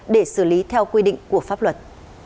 để xử lý theo quy định của pháp luật